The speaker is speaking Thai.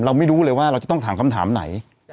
ไม่รู้เลยว่าเราจะต้องถามคำถามไหน